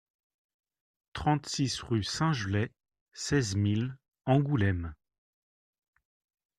trente-six rue Saint-Gelais, seize mille Angoulême